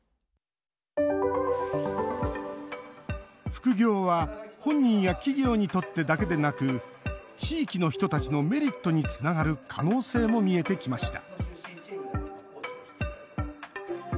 副業は本人や企業にとってだけでなく地域の人たちのメリットにつながる可能性も見えてきました